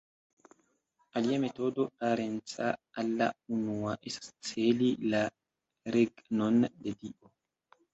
Alia metodo, parenca al la unua, estas celi la regnon de Dio.